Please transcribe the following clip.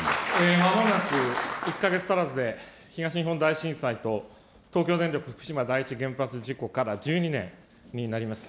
まもなく１か月足らずで東日本大震災と東京電力福島第一原発事故から１２年になります。